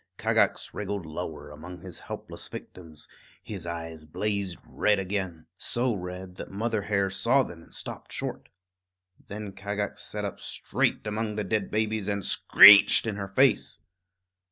Kagax wriggled lower among his helpless victims; his eyes blazed red again, so red that Mother Hare saw them and stopped short. Then Kagax sat up straight among the dead babies and screeched in her face.